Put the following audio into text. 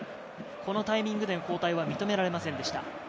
このタイミングでの交代は認められませんでした。